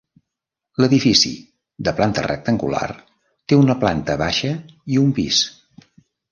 L'edifici, de planta rectangular, té una planta baixa i un pis.